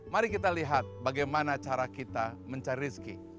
mari kita lihat bagaimana cara kita mencari rezeki